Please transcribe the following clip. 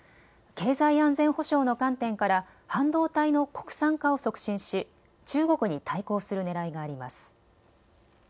経済安全保障の観点から半導体の国産化を促進し中国に対抗するねらいがあります。